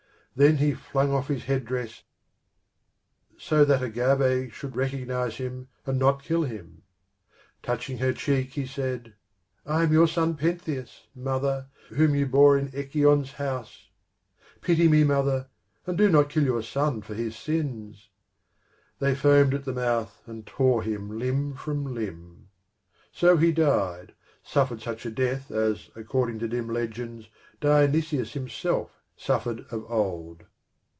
Then he flung off his head dress, so that Agave should recognize him and not kill him. Touching her cheek, he said :" I am your son Pentheus, mother, whom you bore in Echion's house ; pity me, mother, and do not kill your son for his sins." They foamed at the mouth and tore him limb from limb. So he died, suffered such a death as, according to dim legends, Dionysus himself suffered of old.